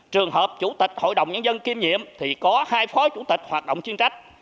trường hợp chủ tịch hội đồng nhân dân kiêm nhiệm thì có hai phó chủ tịch hoạt động chuyên trách